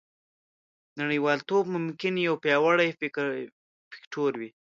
نړیوالتوب ممکن یو پیاوړی فکتور وي